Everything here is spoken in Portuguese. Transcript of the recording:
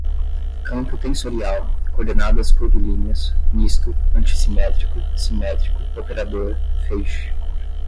campo tensorial, coordenadas curvilíneas, misto, antissimétrico, simétrico, operador, feixe